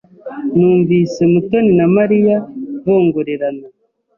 Numvise Mutoni na Mariya bongorerana.